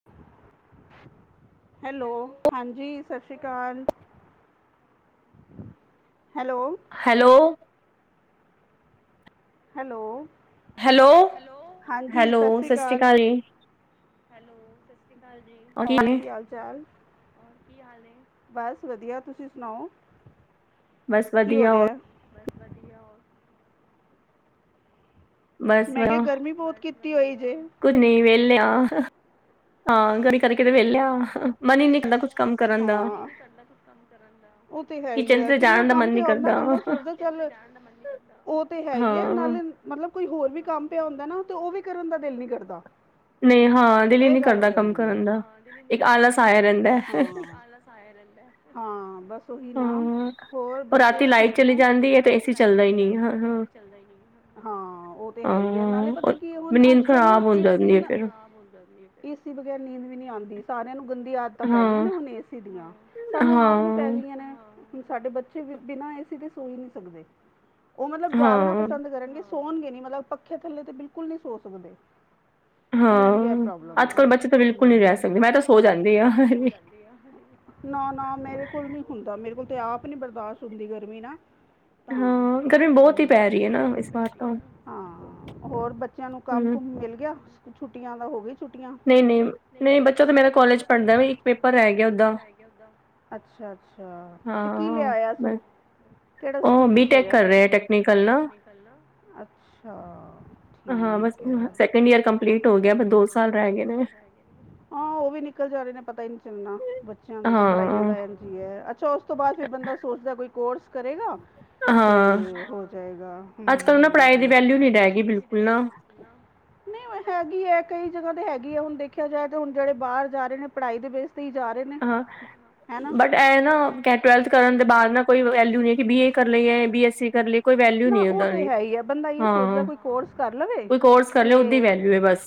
[inaudible] [inaudible] Hello ਹਾਂਜੀ ਸਤਿ ਸ਼੍ਰੀ ਅਕਾਲ। ਹੈਲੋ। ਹੈਲੋ। ਹੈਲੋੋ, ਹਾਂਜੀ ਸਤਿ ਸ਼੍ਰੀ ਅਕਾਲ। ਹੋਰ ਕੀ ਹਾਲ? ਚਾਲ, [unintelligible] ਬਸ ਵਧੀਆ ਤੁਸੀਂ ਸੁਣਾਓ? ਬਸ ਵਧੀਆ ਹੋਰ ਮੈਂ ਕਿਹਾ ਗਰਮੀ ਬਹੁਤ ਕੀਤੀ ਹੋਈ ਜੇ। ਕੁਛ ਨਹੀਂ ਵੇਲਿ ਆਂ। ਹਾਂ, ਗਲੀ ਕਰਕੇ ਤੇ ਵਿਹਲਿਆ ਮਨ ਹੀ ਨੀ ਕਰਦਾ ਕੁਛ ਕੰਮ ਕਰਨ ਦਾ ਉਹ ਤੇ ਹੈ ਹੀ ਐ, ਕਿੰਨਾ ਕੰਮ ਪਿਆ ਹੁੰਦਾ ਬੰਦਾ ਸੋਚਦਾ ਚੱਲ ਉਹ ਤੇ ਹੈ ਹੀ ਐ, ਨਾਲੇ ਮਤਲਬ ਕੋਈ ਹੋਰ ਵੀ ਕੰਮ ਪਿਆ, ਹੁੰਦਾ ਨਾ ਤੇ ਉਹ ਵੀ ਕਰਨ ਦਾ ਦਿਲ ਨੀ ਕਰਦਾ। ਨੇ ਹਾਂ, ਦਿਲ ਹੀ ਨਹੀਂ ਕਰਦਾ ਕੰਮ ਕਰਨ ਦਾ, ਇੱਕ ਆਲਸ ਆਇਆ ਰਹਿੰਦਾ। ਆਲਸ ਆਇਆ ਰਹਿੰਦਾ। ਹਾਂ, ਬਸ ਉਹੀ ਨਾ, ਹੋਰ ਬੱਚੇ ਠੀਕ ਨੇ, ਓ ਰਾਤੀ ਲਾਈਟ ਚਲੀ ਜਾਂਦੀ ਐ ਤੇ ਏ-ਸੀ ਚੱਲਦਾ ਹੀ ਨਹੀਂ ਹਾਂ, ਉਹ ਤੇ ਹੈ ਹੀ ਐ, ਨਾਲੇ ਪਤਾ ਕੀ ਹੁਣ ਅੱਜ-ਕੱਲ ਨਾ ਏ-ਸੀ ਨਾ ਏ-ਸੀ ਬਗੈਰ ਨੀਂਦ ਵੀ ਨੀ ਆਂਦੀ, ਸਾਰਿਆਂ ਨੂੰ ਗੰਦੀ ਆਦਤ ਤਾ ਪੈ ਗਈਆਂ ਨੇ ਹੁਨ ਏ-ਸੀ ਦੀਆਂ, ਸਾਨੂੰ ਆਪ ਨੂੰ ਪੈ ਗਈਆਂ ਨੇ। ਹੁਣ ਸਾਡੇ ਬੱਚੇ ਵੀ ਬਿਨਾਂ ਏ-ਸੀ ਦੇ ਸੋਈ ਨਹੀਂ ਸਕਦੇ, ਉਹ ਮਤਲਬ ਜਾਗਣਾ ਪਸੰਦ ਕਰਨਗੇ, ਸੋ ਸੋਣਗੇ ਨੀ ਮਤਲਬ ਪੱਖੇ ਥੱਲੇ ਤੇ ਬਿਲਕੁਲ ਨਹੀਂ ਸੋ ਸਕਦੇ। ਹਾਂ, ਪ੍ਰੋਬਲਮ ਐ, ਹੁੰ, ਅੱਜ ਕਲ ਬੱਚੇ ਤਾਂ ਬਿਲਕੁਲ ਨੀ ਰਹਿ ਸਕਦੇ, ਮੈਂ ਤਾਂ ਸੋ ਜਾਂਦੀ ਆਂ। ਨਾ-ਨਾ, ਮੇਰੇ ਕੋਲ ਨੀ ਹੁੰਦਾ, ਮੇਰੇ ਕੋਲ ਤੇ ਆਪ ਨ ਬਰਦਾਸ਼ਤ ਹੁੰਦੀ ਗਰਮੀ ਨਾ। ਹਾਂ, ਗਰਮੀ ਬਹੁਤ ਹੀ ਪੈ ਰਹੀ ਐ ਨਾ ਇਸ ਵਾਰ ਤਾਂ। ਹਾਂ, ਹੋਰ ਬੱਚਿਆਂ ਨੂੰ ਕੰਮ ਕੁਮ ਮਿਲ ਗਿਆ, ਛੁੱਟੀਆਂ ਦਾ ਹੋ ਗ ਨਹੀਂ, ਨਹੀਂ, ਨਹੀਂ, ਬੱਚਾ ਤਾਂ ਮੇਰਾ ਕੋਲਜ ਪੜ੍ਹਦਾ ਇੱਕ ਪੇਪਰ ਰਹਿ ਗਿਆ ਓਦਾ ਅੱਛਾ-ਅੱਛਾ, ਤੇ ਕੀ ਲਿਆ ਹੋਇਆ ਸੂ? ਕਿਹੜਾ ਸਟਰੀਮ ਚ ਹੈਗਾ? ਬੀ-ਟੈਕ ਕਰ ਰਹਿਆ, ਟੈਕਨੀਕਲ ਨਾ, ਅੱਛਾ। ਹਾਂ, ਬਸ ਸੈਕਿੰਡ ਈਅਰ ਕੰਪਲੀਟ ਹੋ ਗਿਆ ਦੋ ਸਤ ਹਾਂ, ਉਹ ਵੀ ਨਿਕਲ ਜਾ ਰਹੇ ਨੇ ਪਤਾ ਹੀ ਨੀ ਚੱਲਨਾ ਬੱਚਿਆਂ ਦੇ ਤੇ ਪੜ੍ਹਾਈਆਂ ਦਾ। ਅਛਾ, ਉਸ ਤੋਂ ਬਾਅਦ ਫੇਰ ਬੰਦਾ ਸੋਚਦਾ ਕੋਈ ਕੋਰਸ ਕਰੇਗਾ ਤੇ ਹੋ ਜਾਏਗਾ, ਹੂੰ, ਹੂੰ, ਹੂੰ। ਨਾ ਨਹੀ ਹੈਗੀ ਐ। ਕਈ ਜਗ੍ਹਾ ਤੇ ਹੈਗੀ ਐ। ਹੁਣ ਦੇਖਿਆ ਜਾਏ ਤਾਂ ਹੁਣ ਜਿਹੜੇ ਬਾਹਰ ਜਾ ਰਹੇ ਨੇ ਪੜ੍ਹਾਈ ਦੇ ਬੈਸ ਤੇ ਹੀ ਜਾ ਰਹੇ ਨੇ ਬਟ ਇਹ ਨਾ ਟਵਲਥ ਕਰਨ ਦੇ ਬਾਅਦ ਨਾ ਕੋਈ ਵੈਲਿਊ ਨ ਕਿ ਬੀ-ਏ ਕਰ ਲਈਏ ਬੀ-ਐਸ-ਸੀ ਕਰ ਲਈ ਕੋਈ ਵੈਲਿਊ ਨਹੀ ਉਦਾ ਵੀ, ਹਾਂ, ਕੋਈ ਕੋਰਸ ਪਹਲੇ ਉਧਦੀ ਵੈਲੂ ਐ ਬਸ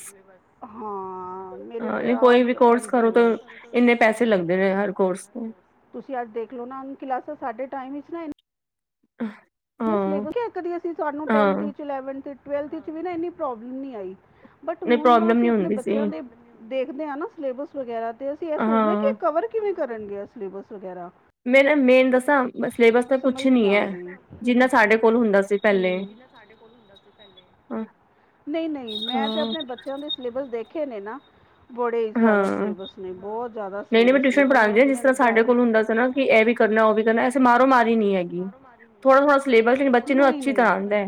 ਹਾਂ, ਨਹੀ ਕੋਈ ਵੀ ਕੋਰਸ ਕਰੋ ਤਾਂ ਇੰਨੇ ਪੈਸੇ ਲੱਗਦੇ ਨੇ ਹਰ ਕੋਰਸ ਤੇ ਤੁਸੀ ਅੱਜ ਦੇਖਲੋ ਨਾ ਕਲਾਸਾਂ ਸਾਡੇ ਟਾਈਮ ਇੰਚ ਨਾ [inaudible] [unintelligible] ਕਦੀ ਅਸੀਂ ਸਾਨੂੰ tenth inch, eleventh, twelfth inch ਵੀ ਨਾ ਇਨੀ ਪ੍ਰੋਬਲਮ ਨਹੀਂ ਆਈ। ਬਟ ਹੁਣ ਨਾ ਅਸੀ ਆਪਣੇ ਬੱਚਿਆਂ ਦੇ ਦੇਖਦੇ ਹਾਂ ਨਾ ਸਿਲੇਬਸ ਵਗੈਰਾ, ਤੇ ਅਸੀ ਇਹ ਸੋਚਦੇ ਹਾਂ ਕਿ ਇਹ ਕਵਰ ਕਿਵੇਂ ਕਰਨਗੇ ਸਿਲੇਬਸ ਵਗੈਰਾ ਮੇਰਾ ਮੇਨ ਦੱਸਾਂ ਸਿਲੇਬਸ ਤਾਂ ਕੁਛ ਨੀ ਐ, ਜਿੰਨਾ ਸਾਡੇ ਕੋਲ ਹੁੰਦਾ ਸੀ ਪਹਿਲੇ ਹਾਂ ਨਹੀਂ-ਨਹੀਂ, ਮੈਂ ਤੇ ਆਪਣੇ ਬੱਚਿਆਂ ਦੇ ਸਿਲੇਬਸ ਦੇਖੇ ਨੇ ਨਾ। ਬੜੇ ਹੀ ਜਾਦਾ ਸਿਲੇਬਸ ਨੇ, ਬਹੁਤ ਜਾਦਾ ਸਿਲੇਬਸ ਨੇ, ਹੁਣ ਮੈਂ ਜਿਵੇਂ ਗੱਲ ਕਿ ਇਹ ਵੀ ਕਰਨਾ, ਉਹ ਵੀ ਕਰਨਾ, ਐਸੀ ਮਾਰੋ ਮਾਰੀ ਨਹੀਂ ਹੈਗੀ, ਥੋੜਾ ਥੋੜਾ ਸਿਲੇਬਸ ਐ, ਲੇਕਿਨ ਬੱਚੇ ਨੂੰ ਅੱਛੀ ਤਰ੍ਹਾਂ ਆਂਦਾ ਐ।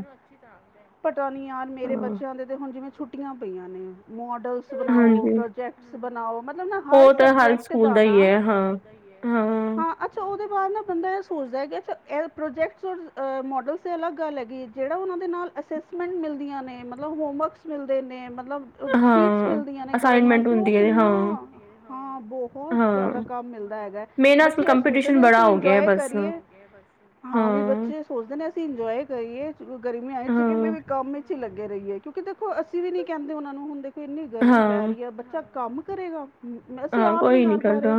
ਪਤਾ ਨਹੀਂ ਯਾਰ ਮੇਰੇ ਬੱਚਿਆਂ ਦੇ ਤੇ ਹੁਣ ਜਿਵੇਂ ਛੁੱਟੀਆਂ ਪਈਆਂ ਨੇ ਮੋਡਲਸ ਬਣਾਓ ਪ੍ਰੋਜੈਕਟ ਬਣਾਓ ਮਤਲਬ ਨਾ ਹਰ ਸਬਜੈਕਟ ਦਾ ਨਾ ਹਾਂ- ਅਛਾ ਉਹਦੇ ਬਾਅਦ ਨਾਲ ਬੰਦਾ ਇਹ ਸੋਚਦਾ ਹੈ ਕਿ ਅਛਾ ਇਹ ਪ੍ਰੋਜੈਕਟਸ ਔਰ ਮੋਡਲਸਤੇ ਅਲੱਗ ਗੱਲ ਹੈਗੀ ਜਿਹੜਾ ਉਹਨਾਂ ਦੇ ਨਾਲ ਅਸੈਸਮੈਂਟ ਮਿਲਦੀਆਂ ਨੇ ਮਤਲਬ ਹੋਮਵਰਕਸ ਮਿਲਦੇ ਨੇ ਮਤਲਬ- ਸ਼ੀਟਸ ਮਿਲਦੀਆਂ ਨੇ ਕਰਨ ਵਾਸਤੇ ਉਹ ਕਿੰਨਾ ਹਾਂ ਬਹੁਤ ਜ਼ਿਆਦਾ ਕੰਮ ਮਿਲਦਾ ਹੈਗਾ ਬੱਚੇ ਇਹ ਸੋਚਦੇ ਨੇ ਅਸੀ ਇੰਜੋਏ ਕਰੀਏ ਹਾਂ ਵੀ ਬੱਚੇ ਸੋਚਦੇ ਨੇ ਅਸੀਂ ਇੰਜੋਏ ਕਰੀਏ ਗਰਮੀ ਆ ਚੁੱਕੇ ਵੀ ਕੰਮ ਪਿੱਛੇ ਲੱਗੇ ਰਹੀ ਹ ਕਿਉਂਕਿ ਦੇਖੋ ਅਸੀ ਵੀ ਕਹਿੰਦੇ ਉਹਨਾਂ ਨੂੰ ਹੁ ਇੰਨੀ ਗਰਮੀ ਪੈ ਰਹੀ ਹੈ। ਬੱਚਾ ਕੰਮ ਕਰੇਗਾ ਅਸੀਂ ਆਪ ਨੀ ਕਰ ਪਾ ਰਹੇ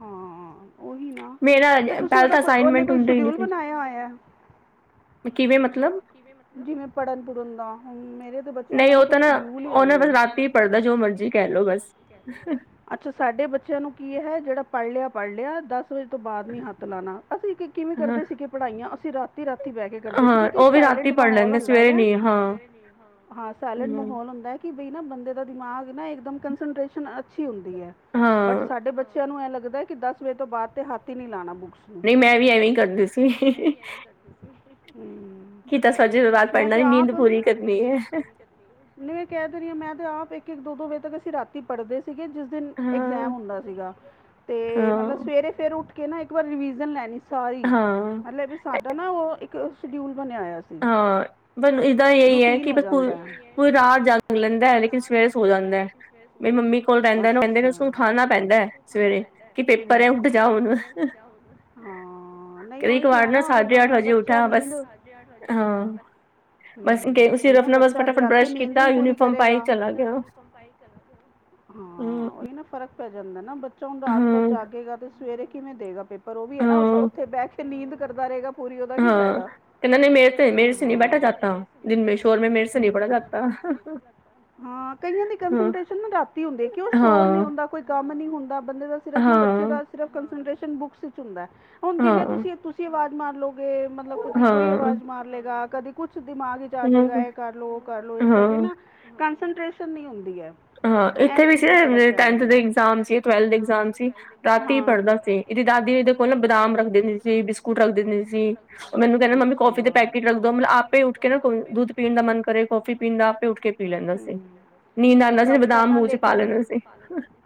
ਹਾਂ ਉਹੀ ਨਾ ਤੇ ਤੁਸੀ ਉਹਦਾ ਕੋਈ ਉਹਨੇ ਕੋਈ ਸ਼ਡਿਊਲ ਬਣਾਇਆ ਹੋਇਆ ਕਿਵੇਂ ਮਤਲਬ- ਜਿਵੇਂ ਪੜ੍ਹਨ ਪੜਨ ਦਾ ਹ ਮੇਰੇ- ਬੱਚਿਆਂ ਦਾ ਨਾ ਕੋਈ ਸ਼ੈਡੋਲ ਹੀ ਹੈਨੀ ਅਛਾ ਸਾਡੇ ਬੱਚਿਆਂ ਨੂੰ ਕੀ ਹ ਜਿਹੜਾ ਪੜ੍ਹ ਲਿਆ ਪੜ੍ਹ ਲਿਆ ਦਸ ਵਜੇ ਤੋਂ ਬਾਅਦ ਨੀ ਹੱਥ ਲਾਣਾ ਅਸੀ ਕਿਵੇਂ ਕਰਦੇ ਸੀਗੇ ਪੜ੍ਹਾਈਆਂ ਅਸੀ ਰਾਤੀ- ਰਾਤੀ ਬਹਿ ਕੇ ਕਰਦੇ ਸੀਗੇ ਕਿ ਸਾਇਲੈਂਟ ਮਾਹੌਲ ਹੁੰਦਾ ਹੈਗਾ ਹਾਂ ਸਾਇਲੈਂਟ ਮਾਹੌਲ ਹੁੰਦਾ ਹੈ। ਕਿ ਬਈ ਨਾ ਬੰਦੇ ਦਾ ਦਿਮਾਗ ਨਾ ਇੱਕਦਮ ਕੰਸਟੇਸ਼ਨ ਅੱਛੀ ਹੁੰਦੀ ਹੈ ਬਟ ਸਾਡੇ ਬੱਚੇ ਬੱਚਿਆਂ ਨੂੰ ਇਹ ਲੱਗਦਾ ਕਿ ਦਸ ਵਜੇ ਤੋਂ ਬਾਅਦ ਤੇ ਹੱਥ ਹੀ ਨਹੀਂ ਲਾਣਾ ਬੁੱਕਸ ਨਹੀਂ ਮੈਂ ਵੀ ਐਵੇਂ ਹੀ ਕਰਦੀ ਸੀ। ਹੂੰ - ਕਿ ਤਾਂ ਸਜ ਤੋਂ ਬਾਦ ਪੜ੍ਹਨਾ ਨੀ ਨੀਦ ਪੂਰੀ ਕਰਨੀ ਹੈ। ਨਹੀਂ ਮੈਂ ਕਹਿ ਤਾਂ ਰਹੀ ਹਾਂ ਮੈਂ ਤਾਂ ਆਪ ਇਕ- ਇਕ ਦੋ- ਦੋ ਵਜੇ ਤੱਕ ਅਸੀ ਰਾਤੀ ਪੜ੍ਹਦੇ ਸੀਗੇ ਜਿਸ ਦਿਨ ਐਗਜ਼ਾਮ ਹੁੰਦਾ ਸੀਗਾ ਤੇ ਮਤਲਬ ਸਵੇਰੇ ਫੇਰ ਉਠ ਕੇ ਨਾ ਇਕ ਵਾਰ ਰਿਵੀਜ਼ਨ ਲੈਣੀ ਸਾਰੀ ਮਤਲਬ ਵੀ ਸਾਡਾ ਨਾ ਉਹ ਇਕ ਸ਼ਡਿਊਲ ਬਣਿਆ ਹੋਇਆ ਸੀ ਹਾਂ ਪਰ ਇੱਦਾਂ ਇਹੀ ਹ ਕਿ ਪੂਰੀ ਰਾਤ ਜਾਗ ਲੈਂਦਾ ਹੈ। ਲੇਕਿਨ ਸਵੇਰੇ ਸੋ ਜਾਂਦਾ ਹੈ। ਮੇਰੀ ਮੰਮੀ ਕੋਲ ਰਹਿੰਦਾ- ਰਹਿੰਦੇ ਉਠਾਉਣਾ ਪੈਂਦਾ ਸਵੇਰੇ ਕਿ ਪੇਪਰ ਹੈ ਉਠ ਜਾਓ ਹੁਨ ਕਈ ਇਕ ਵਾਰ ਨਾ ਸਾਢੇ ਅੱਠ ਵਜੇ ਉਠਾ ਬਸ ਹਾਂ ਬਸ ਫਟਾਫਟ ਬਰੱਸ਼ ਕੀਤਾ ਯੂਨੀਫਾਰਮ ਪਾਈ ਚਲਾ ਗਿਆ, ਹਾਂ ਉਹੀ ਨਾ ਫਰਕ ਪੈ ਜਾਂਦਾ ਨਾ ਬੱਚਾ ਹੁਣ ਰਾਤ ਬਰ ਜਾਗੇਗਾ ਤੇ ਸਵੇਰੇ ਕਿਵੇਂ ਦੇਗਾ ਪੇਪਰ ਪਰ ਉਹ ਵੀ ਹੈ ਨਾ ਉੱਥੇ ਬਹਿ ਕੇ ਨੀਂਦ ਕਰਦਾ ਰਹੇਗਾ [unintelligible] ਮੇਰੇ ਸੇ ਨਹੀਂ ਬੈਠਾ ਜਾਤਾ ਦਿਨ ਮੇ ਸ਼ੋਰ ਮੈਂ ਮੇਰੇ ਸੇ ਨਹੀਂ ਪੜਾ ਜਾਤਾ ਹਾਂ ਕਈਆਂ ਦੀ ਕੰਸਟੇਸ਼ਨ ਨਾ ਰਾਤੀ ਹੁੰਦੀ ਕਿ ਉਹ ਸ਼ੋਰ ਨਹੀਂ ਹੁੰਦਾ ਕੋਈ ਕਮ ਨਹੀਂ ਹੁੰਦਾ ਬੰਦੇ ਦਾ ਸਿਰਫ ਨਾ ਬੱਚੇ ਦਾ ਬੁੱਕਸ ਵਿੱਚ ਹੁੰਦਾ ਹੈ ਹੁਣ ਜਨੇ ਤੁਸੀਂ ਤੁਸੀਂ ਆਵਾਜ਼ ਮਾਰਲੋਗੇ ਮਤਲਬ ਕਦੀ ਕੋਈ ਆਵਾਜ਼ ਮਾਰ ਲਏਗਾ ਕਦੀ ਕੁਛ ਦਿਮਾਗ ਚ ਜੇਗਾ ਇਹ ਕਰ ਲੋ ਉਹ ਕਰ ਲੋ ਇਸ ਕਰਕੇ ਨਾ ਕੰਸਟ੍ਰੇਸ਼ਨ ਨਹੀਂ ਹੁੰਦੀ ਹੈ। ਹਾਂ ਇੱਥੇ ਵੀ ਸੀ ਨਾ ਟੈਨਥ ਦੇ ਇਗਜ਼ਾਮ ਸੀ ਟਵਲਥ ਇਗਜ਼ਾਮ ਸੀ ਰਾਤੀ ਪੜ੍ਹਦਾ ਸੀ। ਇਹਦੀ ਦਾਦੀ ਇਹਦੇ ਕੋਲ ਨਾ ਬਦਾਮ ਰੱਖ ਦਿੰਦੀ ਸੀ ਬਿਸਕੁਟ ਰੱਖ ਦਿੰਦੀ ਸੀ ਉਹ ਮੈਨੂੰ ਕਹਿੰਦੇ ਮੰਮੀ ਕੌਫੀ ਦੇ ਪੈਕੇਟ ਰ ਮਤਲਬ ਆਪੇ ਉਠ ਕੇ ਨਾ ਕੋ ਦੁੱਧ ਪੀਣ ਦਾ ਮਨ ਕਰੇ ਕੌਫੀ ਪੀਣ ਦਾ ਆਪੇ ਉੱਠ ਕੇ ਪੀ ਲੈਂਦਾ ਸੀ। [unintelligible] ਨਾ ਲੇਕਿਨ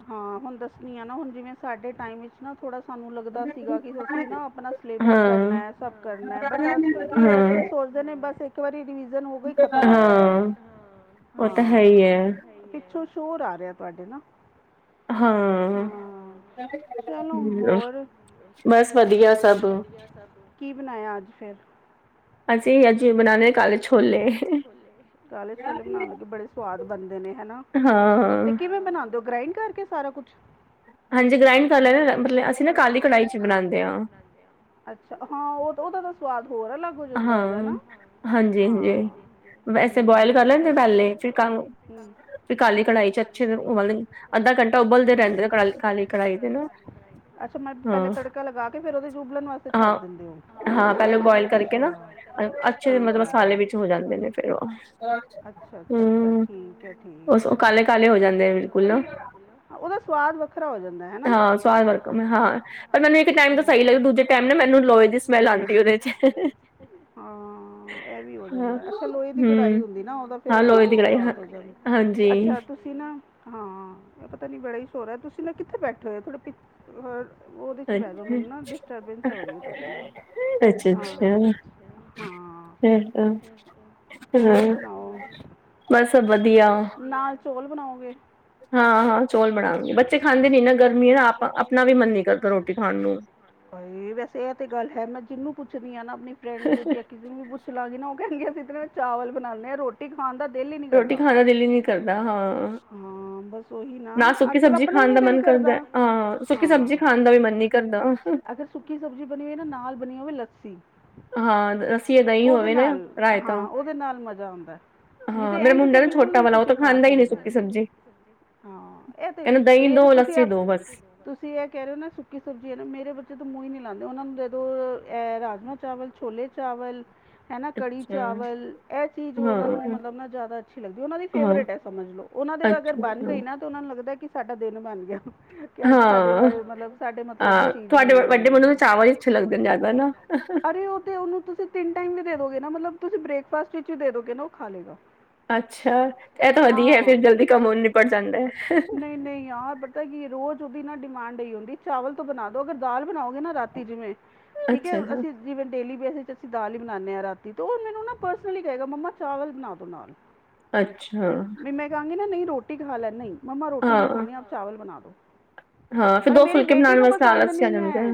ਹਾਂ ਹੁਣ ਦੱਸਣੀ ਆ ਨਾ ਹੁਣ ਜਿਵੇਂ ਸਾਡੇ ਟਾਈਮ ਵਿੱਚ ਨਾ ਥੋੜ੍ਹਾ ਸਾਨੂੰ ਲੱਗਦਾ ਸੀਗਾ ਕਿ ਅਸੀਂ ਨਾ ਆਪਣਾ ਸਿਲੇਬਸ ਕਰਨਾ ਹੈ ਸਭ ਕਰਨਾ ਬਟ ਅੱਜ ਕੱਲ੍ਹ ਕੀ ਇਹ ਬੱਚੇ ਸੋਚਦੇ ਨੇ ਬਸ ਇੱਕ ਵਾਰੀ ਡਵੀਜ਼ਨ ਹੋ ਗਈ ਹੀ ਖਤਮ ਹੋ ਗਿਆ ਕ ਹਾਂ ਪਿੱਛੋਂ ਸ਼ੋਰ ਆ ਰਿਹਾ ਤੁਹਾਡੇ ਨਾ ਹਾਂ ਬਸ ਵਧੀਆ ਸਭ ਕੀ ਬਣਾਇਆ ਅੱਜ ਫਿਰ ਅਸੀ ਅਜ ਬਣਾਉਣੇ ਕਾਲੇ ਛੋਲੇ ਕਾਲੇ ਛੋਲੇ ਬਣਾਉਣ ਲੱਗੇ ਬੜੇ ਸਵਾਦ ਬਣਦੇ ਨੇ ਹਨਾ ਤੇ ਕਿਵੇ ਬਣਾਂਦੇ ਹੋ ਗ੍ਰੰਡ ਕਰਕੇ ਸਾਰਾ ਕੁਛ- ਹਾਂਜੀ ਗ੍ਰਾਇੰਡ ਕਰ ਲੈਦੇ ਮਤਲਬ ਅਸੀਂ ਨਾ ਕਾਲੀ ਕੜਾਈ ਚ ਬਣਾਂਦੇ ਆ ਅੱਛਾ ਹਾਂ ਉਹ ਤਾਂ ਉਹਦਾ ਤਾਂ ਸਵਾਦ ਹੋਰ ਅਲੱਗ ਹੋ ਜਾਂਦਾ ਹੈਏਗਾ ਨਾ ਹਾਂਜੀ ਹਾਂਜੀ, ਵੈਸੇ ਬੁਆਇਲ ਕਰ ਲੈਂਦੇ ਪਹਿਲੇ ਫਿਰ ਕੰ ਕਾਲੀ ਕੜਾਹੀ ਚ ਅੱਛੇ ਉ ਅੱਧਾ ਘੰਟਾ ਉਬਲਦੇ ਰਹਿੰਦੇ ਨੇ ਕਾਲੀ ਕੜਾਈ ਦੇ ਨਾ। ਅੱਛਾ, ਪਹਿਲੇ ਤੜਕਾ ਲਗਾ ਕੇ ਫੇਰ ਉਹਦੇ ਉਬਲਣ ਵਾਸਤੇ ਛੱਡ ਦਿੰਦੇ ਹੋ। [unintelligible] ਪਿੱਛੇ ਮਤਲਬ ਮਸਾਲੇ ਵਿੱਚ ਹੋ ਜਾਂਦੇ ਨੇ ਫੇਰ ਉਹ ਹੂੰ, ਠੀਕ ਕਾਲੇ ਕਾਲੇ ਹੋ ਜਾਂਦੇ ਉਹਦਾ ਸਵਾਦ ਵੱਖਰਾ ਹੋ ਜਾਂਦਾ ਹਨਾ। ਹਾਂ, ਪਰ ਮੈਨੂੰ ਇੱਕ ਟਾਈਮ ਤਾਂ ਸਹੀ ਲੱਗਦਾ ਦੂਜੇ ਟਾਈਮ ਨਾ ਮੈਨੂੰ ਲੋਹੇ ਦੀ ਸਮੈਲ ਆਂਦੀ ਉਹਦੇ ਚ। ਹਾਂ, ਇਹ ਵੀ ਹੋ ਜਾਂਦਾ ਅੱਛਾ ਲੋਹੇ ਦੀ ਕਢਾਈ ਹੁੰਦੀ ਨਾ ਉਹਦਾ ਫਿਰ ਅਲੱਗ ਈ ਸਵਾਦ ਹੋ ਜਾਂਦਾ ਅੱਛਾ ਤ, ਤੁਸੀਂ ਨਾ ਹਾਂ ਇਹ ਪਤਾ ਨੀ ਬੜਾ ਹੀ ਸੋਰ ਐ ਤੁਸੀਂ ਨਾ ਕਿੱਥੇ ਬੈਠੇ ਹੋਏ ਹੋ ਤੁਹਾਡੇ ਉਹਦੇ 'ਚ ਬਹਿ ਜੋ ਮੈਨੂੰ ਨਾ ਡਿਸਟਰਬੈਂਸ ਹੋ ਰਹੀ ਆ ਤੁਹਾਡੇ ਨਾਲ ਹਾਂ ਹਾਂ, [unintelligible] ਹੋਰ ਸੁਣਾਓ ਨਾਲ ਚੋਲ ਬਣਾਓਗੇ? ਹਾਂ ਹਾਂ, ਚੌਲ ਬਣਾਉਣਗੇ ਬੱਚੇ ਖਾਂਦੇ ਨੀ ਨਾ ਗਰਮੀ ਆਪ ਆਪਣਾ ਵੀ ਮਨ ਨੀ ਕਰਦਾ ਰੋਟੀ ਖਾਣ ਨੂੰ। ਵੈਸੇ ਇਹ ਤੇ ਗੱਲ ਹੈ ਮੈਂ ਜਿਹਨੂੰ ਪੁੱਛਦੀ ਆ ਨਾ ਆਪਣੀ ਫਰੈਡ ਕਿਸੇ ਨੂੰ ਵੀ ਪੁੱਛ ਲਾਂਗੀ ਨਾ ਉਹ ਕਹਿੰਦੀ ਅਸੀਂ ਚਾਵਲ ਬਣਾਦੇ ਆ ਹਾਂ ਰੋਟੀ, ਰੋਟੀ ਖਾਣ ਦਾ ਦਿਲ ਹੀ ਨੀ ਕਰਦਾ ਹਾਂ ਬਸ ਓਹੀ ਨਾ। ਅੱਜ ਕੱਲ ਆਪਣਾ ਹੀ ਨੀ ਦਿਲ ਕਰਦਾ। ਸੁੱਕੀ ਸਬਜ਼ੀ ਬਣੀ ਹੋਵੇ ਨਾ ਨਾਲ ਬਣੀ ਹੋਵੇ ਲੱਸੀ। ਹਾਂ, ਉਹਦੇ ਨਾਲ ਹਾਂ ਉਹਦੇ ਨਾਲ ਮਜ਼ਾ ਆਂਦਾ ਨਹੀਂ ਤਾਂ ਇੰਝ ਤਾਂ ਬਿਲਕੁਲ ਨੀ ਤੁਸੀਂ ਖਾ ਸਕਦੇ। ਹਾਂ ਇਹ ਤੇ ਮੇਰੇ ਤੁਸੀਂ ਤੁਸੀਂ ਇਹ ਕਹਿ ਰਹੇ ਹੋ ਨਾ ਸੁੱਕੀ ਸਬਜ਼ੀ ਨਾ ਮੇਰੇ ਬੱਚੇ ਤੋਂ ਮੂੰਹ ਨਹੀਂ ਲਾਂਦੇ ਉਹਨਾਂ ਨੂੰ ਦੇਦੋ ਇਹ ਰਾਜਮਾਂ ਚਾਵਲ। ਛੋਲੇ ਚਾਵਲ ਹੈ ਨਾ ਕੜੀ ਚਾਵਲ ਇਹ ਚੀਜ਼ ਉਹਨਾਂ ਨੂੰ ਮਤਲਬ ਨਾ ਜ਼ਿਆਦਾ ਅੱਛੀ ਲੱਗਦੀ ਉਹਨਾਂ ਦੀ ਫੇਵਰੇਟ ਐ ਸਮਝ ਲਓ। ਉਹਨਾਂ ਦੇ ਅਗਰ ਬਣ ਗਈ ਨਾ ਤੇ ਉਹਨਾਂ ਨੂੰ ਲੱਗਦਾ ਕਿ ਸਾਡਾ ਦਿਨ ਬਣ ਗਿਆ। ਤੇ ਅੱਜ ਸਾਡੇ ਬਾਰੇ ਮਤਲਬ ਸਾਡੇ ਮਤਲਬ ਦੀ ਚੀਜ਼ ਬਣੀ ਹੋਈ ਐ। ਸਾਡੇ ਵੱਡੇ ਮੁੰਡੇ ਨੂੰ ਚਾਵਲ ਹੀ ਅੱਛੇ ਲਗਦੇ ਆ। ਅਰੇ! ਉਹ ਤੇ ਉਹਨੂੰ ਤੁਸੀਂ? ਟਾਈਮ ਤੇ ਦੇ ਦੋਗੇ ਨਾ ਮਤਲਬ ਤੁਸੀਂ ਬ੍ਰੇਕਫਾਸਟ ਵਿੱਚ ਹੀ ਦੇ ਦੋਗੇ ਨਾ ਉਹ ਖਾ ਲੇਗਾ। ਹਾਂ! ਵਧੀਆ ਕੰਮ ਜਲਦੀ ਅ ਨਿੱਬੜ ਜਾਂਦਾ। ਨਹੀਂ ਨਹੀਂ ਆ ਬਟ, ਪਤਾ ਕੀ ਏ ਰੋਜ਼ ਉਹਦੀ ਨਾ ਡਿਮਾਂਡ ਇਹੀ ਹੁੰਦੀ ਚਾਵਲ ਤੋਂ ਬਣਾ ਦੋ, ਅਗਰ ਦਾਲ ਬਣਾਓਗੇ ਨਾ ਰਾਤੀ ਜਿਵੇਂ, ਠੀਕ ਐ! ਅ ਅਸੀਂ ਜਿਵੇ ਡੇਲੀ ਬੇਸ 'ਚ ਅਸੀਂ ਦਾਲ ਹੀ ਬਣਾਨੇ ਆ ਰਾਤੀ। ਤੇ ਉਹ ਮੈਨੂੰ ਨਾ ਪਰਸਨਲੀ ਕਹੇਗਾ ਮੰਮਾ ਚਾਵਲ ਬਣਾ ਦੋ ਨਾਲ। ਅੱਛਾ! ਕਹੇਗੀ ਨਾ ਰੋਟੀ ਖਾ ਲੈ, ਨਹੀਂ! ਮੰਮਾ ਰੋਟੀ ਨਹੀਂ ਖਾਣੀ ਆਪ ਚਾਵਲ ਬਣਾ ਦੋ। ਮਤਲਬ ਮੇਰੀ ਬੇਟੀ ਨੂੰ ਪਸੰਦ ਨਹੀਂ ਐ,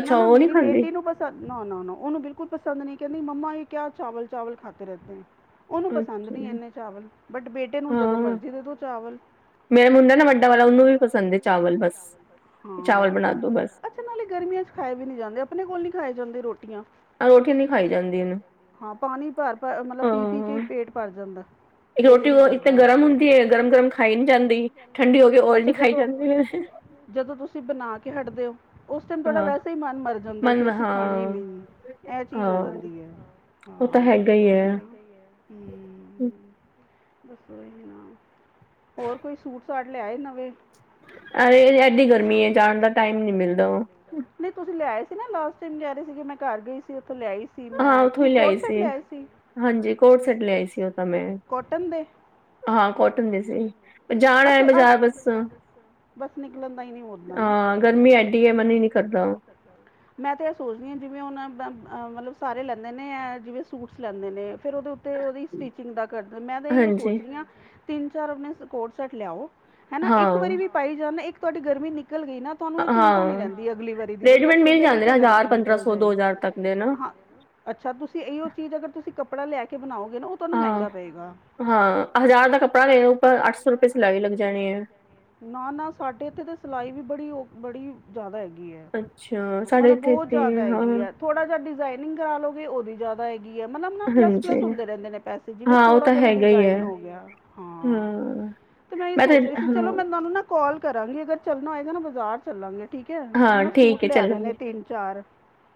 ਨਾ-ਨਾ ਮੇਰੀ ਬੇਟੀ ਨੂੰ ਪਸੰ, ਨਾ ਨਾ ਨਾ, ਉਹਨੂੰ ਬਿਲਕੁਲ ਪਸੰਦ ਨਹੀਂ, ਕਹਿੰਦੀ ਮੰਮਾ ਇਹ ਕਿਆ ਚਾਵਲ-ਚਾਵਲ ਖਾਤੇ ਰਹਿਤੇ ਹੈ। ਉਹਨੂੰ ਪਸੰਦ ਨੀ ਇੰਨੇ ਚਾਵਲ, ਬਟ ਬੇਟੇ ਨੂੰ ਜਦੋਂ ਮਰਜ਼ੀ ਦੇ ਦੋ ਚਾਵਲ। ਮੇਰਾ ਮੁੰਡਾ ਨਾ ਵੱਡਾ ਵਾਲਾ ਉਹਨੂੰ ਵੀ ਪਸੰਦ ਏ ਚਾਵਲ ਬਸ। ਚਾਵਲ ਬਣਾ ਦੋ ਬਸ। ਤੇ ਨਾਲ ਹੀ ਗਰਮੀਆਂ ਚ ਖਾਏ ਵੀ ਨੀ ਜਾਂਦੇ, ਆਪਣੇ ਕੋਲ ਨੀ ਖਾਏ ਜਾਂਦੇ ਰੋਟੀਆਂ। ਆ ਰੋਟੀ ਨੀ ਹਾਂ! ਪਾਣੀ ਭਰ ਭਰ ਮਤਲਬ ਪੀ-ਪੀ ਕੇ ਹੀ ਪੇਟ ਭਰ ਜਾਂਦਾ। ਦਿਲ ਹੀ ਨੀ ਕਰਦਾ ਅੱਛਾ ਜਦੋਂ, ਜਦੋਂ ਤੁਸੀਂ ਬਣਾ ਕੇ ਹਟਦੇ ਹੋ ਉਸ ਟਾਈਮ ਤੁਹਾਡਾ ਵੈਸੇ ਹੀ ਮਨ ਮਰ ਜਾਂਦਾ ਕਿ ਅਸੀਂ ਖਾਣੇ ਹੀ ਨਹੀਂ। ਇਹ ਚੀਜ਼ ਹੋ ਜਾਂਦੀ ਐ ਹਾਂ ਬਸ ਉਹੀ ਨੀ। ਹੂੰ, ਦੱਸੋ ਹੀ ਨਾ, ਹੋਰ ਕੋਈ ਸੂਟ-ਸਾਟ ਲਿਆਏ ਨਵੇਂ? ਆਏ, ਐਡੀ ਗਰਮੀ ਏ, ਜਾਣ ਦਾ ਟਾਈਮ ਨੀ ਮਿਲਦਾ ਓਹ। ਨਹੀਂ ਤੁਸੀਂ ਲਿਆਏ ਸੀ ਨਾ, ਲਾਸਟ ਟਾਈਮ ਕਹਿ ਰਹੇ ਸੀਗੇ, ਮੈਂ ਘਰ ਗਈ ਸੀ, ਉੱਥੋ ਲਿਆਈ ਸੀ। ਹਾਂ, ਉੱਥੋਂ ਹੀ ਲਿਆਈ ਸੀ। ਹਾਂਜੀ, ਕੋਟ ਸੈਟ ਲਿਆਈ ਸੀ ਓਹ ਤਾਂ ਮੈਂ। ਹਾਂ, ਕੌਟਨ ਦੇ ਸੀ, ਅ ਜਾਣਾ ਏ, ਬਜ਼ਾਰ ਬਸ। ਬਸ ਨਿਕਲਣ ਦਾ ਹੀ ਨਹੀਂ ਹੋਂਦਾ ਨਾ? ਹਾਂ, ਗਰਮੀ ਏਡੀ ਐ ਮੈਂ ਤੇ ਐ ਸੋਚਦੀ ਹਾਂ, ਜਿਵੇਂ ਉਹਨਾਂ ਦਾ ਦਨ ਅ ਮਤਲਬ ਸਾਰੇ ਲੈਂਦੇ ਨੇ, ਐਂ ਜਿਵੇਂ ਸੂਟਸ ਲੈਂਦੇ ਨੇ। ਫਿਰ ਉਹਦੇ ਉੱਤ ਤੇ ਉਹਦੀ ਸਟੀਚਿੰਗ ਦਾ ਕਰ ਮੈਂ ਤਾਂ ਐਹੀਓ ਸੋਚਨੀ ਆਂ ਤਿੰਨ-ਚਾਰ ਮੀਨਸ ਕੋਟ ਸੈੱਟ ਲਿਆਓ ਹੈਂ ਨਾ, ਇੱਕ ਵਾਰੀ ਵੀ ਪਾਈ ਜਾਣ, ਇੱਕ ਤੁਹਾਡੀ ਗਰਮੀ ਨਿਕਲ ਗਈ ਨਾ ਤੁਹਾਨੂੰ ਇਹ ਚਿੰਤਾ ਨੀ ਰਹਿੰਦੀ ਅਗਲੀ ਵਾਰੀ ਦੀ, ਬੰਦਾ ਸੋਚਦਾ ਇੱਕ ਗਰਮੀ ਨਿਕਲ ਜਏ। ਤਕਦੇ ਨਾ। ਹਾਂ, ਅੱਛਾ ਤੁਸੀਂ ਏਹੀਓ ਚੀਜ਼ ਅਗਰ ਤੁਸੀਂ ਕੱਪੜਾ ਲਿਆਕੇ ਬਣਾਓਗੇ ਨਾ ਤੁਹਾਨੂੰ ਮਹਿੰਗਾ ਪਏਗਾ। ਆ ਬਜ਼ਾਰ ਦਾ ਕੱਪੜਾ ਦੇਖਲੋ ਇੱਕ ਅੱਠ ਸੌ ਰੁਪਏ ਸਿਲਾਈ। ਨਾ-ਨਾ ਸਾਡੇ ਇੱਥੇ ਤੇ ਸਿਲਾਈ ਵੀ ਬੜੀ, ਓ ਬੜੀ ਜ਼ਿਆਦਾ ਹੈਗੀ ਐਂ, ਮਤਲਬ ਬਹੁਤ ਜ਼ਿਆਦਾ ਹੈਗੀ ਹੈ। ਥੋੜਾ ਜਿਹਾ ਡਿਜ਼ਾਇਨਿੰਗ ਕਰਾਲੋਗੇ, ਓਹਦੀ ਜਾਦ ਦਾ ਹੈਗੀ ਆ, ਮਤਲਬ ਨਾ ਪਲੱਸ-ਪਲੱਸ ਹੁੰਦੇ ਰਹਿੰਦੇ ਨੇ ਪੈਸੇ, ਜਿਵੇਂ ਥੋੜਾ ਜਿਹਾ ਵੀ ਡਿਜ਼ਾਇਨ ਹੋਗਿਆ ਹਾਂ! ਤੇ ਮੈਂ ਇਹ ਸੋਚ ਰਹੀ ਸੀ, ਚਲੋ ਮੈਂ ਤੁਹਾਨੂੰ ਨਾ ਕੌਲ਼ ਕਰਾਂਗੀ, ਅਗਰ ਚੱਲਣਾ ਹੋਏਗਾ ਨਾ ਬਜ਼ਾਰ ਚੱਲਾਂਗੇ, ਠੀਕ ਐ, ਮੈਂ ਨਾ ਸੂਟ ਲਿਆਣੇ ਨੇ ਤਿੰਨ-ਚਾਰ।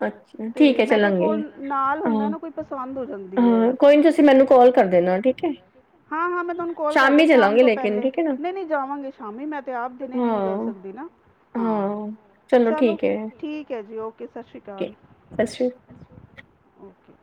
ਅੱਛਾ, ਠੀਕ ਹੈ ਚਲ ਤੇ ਕੋਲ ਨਾਲ ਹੁੰਦਾ ਨਾ ਕੋਈ ਪਸੰਦ ਹੋ ਜਾਂਦੀ ਐ। ਕੋਈ ਨੀ ਤੁਸੀ ਮੈਨੂੰ ਕੌਲ ਕਰ ਦੇਣਾ। ਹਾਂ-ਹਾਂ, ਮੈਂ ਤੁਹਾਨੂੰ ਕੌਲ ਕਰਦਾਂਗੀ ਆਣ ਤੋਂ ਪਹਿਲੇ, ਨਹੀਂ-ਨਹੀਂ ਜਾਵਾਂਗੇ ਸ਼ਾਮੀ, ਮੈਂ ਤੇ ਆਪ ਦਿਨੇ ਨੀ ਨਿਕਲ ਸਕਦੀ ਨਾ। ਹਾਂ! ਚਲੋ ਠੀਕ ਹੈ ਜੀ, ਓਕੇ, ਸਸ ਸ਼੍ਰੀ ਕਾਲ। ਸੱਸਰੀ ਓਕੇ।